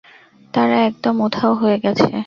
তারা একদম উধাও হয়ে গেছে।